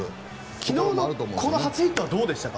昨日のこの初ヒットはどうでしたか。